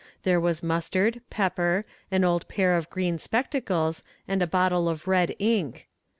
There was mustard, pepper, an old pair of green spectacles, and a bottle of red ink.